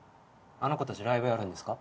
あの子たちライブやるんですか？